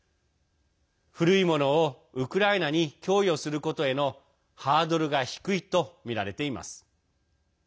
古いものをウクライナに供与することへのハードルが低いとみられています。